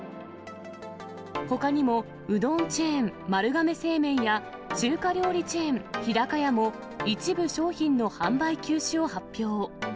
ほかにも、うどんチェーン、丸亀製麺や、中華料理チェーン、日高屋も一部商品の販売休止を発表。